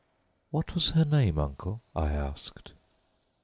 "What was her name, uncle?" I asked.